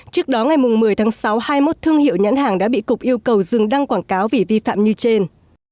trước đó ngày một mươi tháng sáu hai mươi một thương hiệu nhãn hàng đã bị cục yêu cầu dừng đăng quảng cáo vì vi phạm như trên